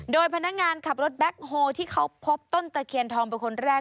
โดยพนักงานขับรถแบ็คโฮที่เขาพบต้นตะเคียนทองเป็นคนแรก